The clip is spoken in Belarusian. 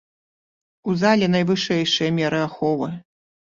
У зале найвышэйшыя меры аховы.